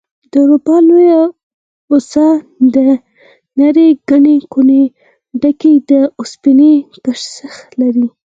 د اروپا لویه وچه د نړۍ له ګڼې ګوڼې ډکې د اوسپنې کرښې لري.